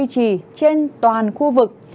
và được duy trì trên toàn khu vực